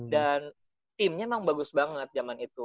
dan timnya memang bagus banget zaman itu